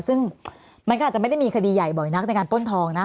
ซึ่งมันก็อาจจะไม่ได้มีคดีใหญ่บ่อยนักในการป้นทองนะ